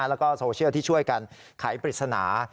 แล้วก็โซเชียลที่ช่วยกันไขปริศนา